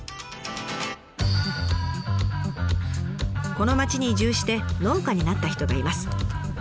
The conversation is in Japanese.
この町に移住して農家になった人がいます。